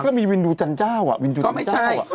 ก็มีวินดูจันเจ้าอ่ะวินยูจันเจ้า